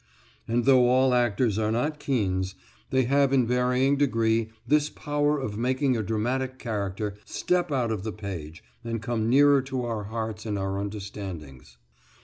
And though all actors are not Keans, they have in varying degree this power of making a dramatic character step out of the page, and come nearer to our hearts and our understandings.